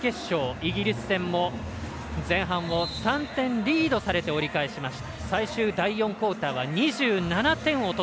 イギリス戦も前半を３点リードされて折り返しました。